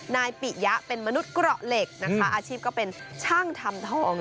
ปิยะเป็นมนุษย์เกราะเหล็กนะคะอาชีพก็เป็นช่างทำทอง